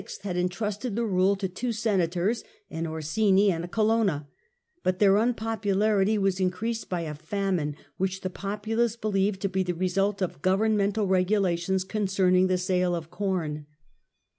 had entrusted the rule to ^16"=^' two Senators, an Orsini and a Colonna, but their un popularity was increased by a famine which the popu lace believed to be the result of governmental regulations concerning the sale of corn.